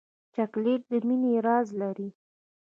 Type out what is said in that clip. چاکلېټ د مینې راز لري.